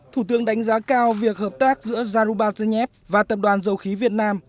thủ tướng đánh giá cao việc hợp tác giữa zarubazhnev và tập đoàn dầu khí việt nam